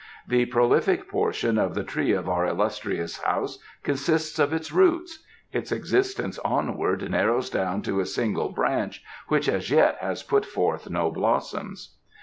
The prolific portion of the tree of our illustrious House consists of its roots; its existence onwards narrows down to a single branch which as yet has put forth no blossoms."